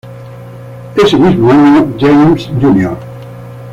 Ese mismo año, James Jr.